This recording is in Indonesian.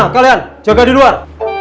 kalian jaga di luar